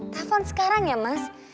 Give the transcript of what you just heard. telepon sekarang ya mas